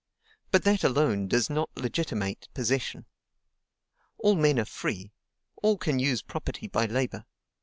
But that alone does not legitimate possession. All men are free; all can use property by labor.